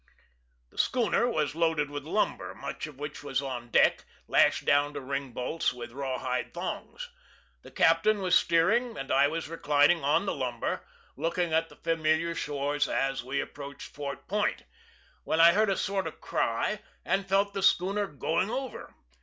The schooner was loaded with lumber, much of which was on deck, lashed down to ring bolts with raw hide thongs. The captain was steering, and I was reclining on the lumber, looking at the familiar shore, as we approached Fort Point, when I heard a sort of cry, and felt the schooner going over.